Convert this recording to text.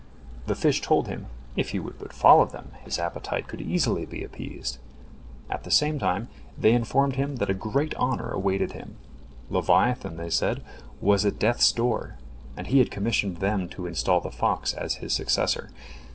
The fish told him, if he would but follow them, his appetite could easily be appeased. At the same time they informed him that a great honor awaited him. Leviathan, they said, was at death's door, and he had commissioned them to install the fox as his successor.